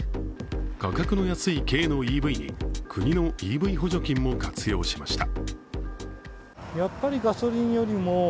価格の安い軽のＥＶに国のＥＶ補助金も活用しました。